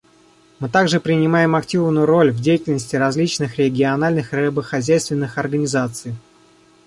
Мы также принимаем активную роль в деятельности различных региональных рыбохозяйственных организаций.